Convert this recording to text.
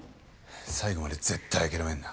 最後まで絶対諦めんな。